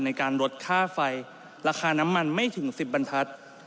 ในการลดค่าไฟราคาน้ำมันไม่ถึง๑๐บรรทัศน์